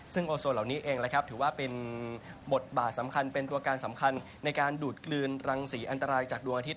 ซึ่งโอโซนเหล่านี้เองนะครับถือว่าเป็นบทบาทสำคัญเป็นตัวการสำคัญในการดูดกลืนรังสีอันตรายจากดวงอาทิตย